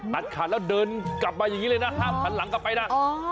ตัดขาดแล้วเดินกลับมาอย่างนี้เลยนะห้ามหันหลังกลับไปนะ